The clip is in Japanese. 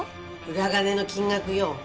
裏金の金額よ。